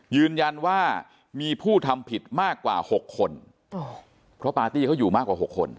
ยืนยันว่ามีผู้ทำผิดมากกว่า๖คนเพราะปาร์ตี้เขาอยู่มากกว่า๖คน